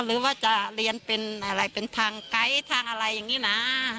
หรือว่าจะเรียนเป็นอะไรเป็นทางไกด์ทางอะไรอย่างนี้นะ